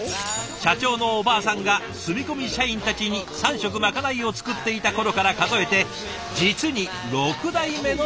社長のおばあさんが住み込み社員たちに３食まかないを作っていた頃から数えて実に６代目のシェフ。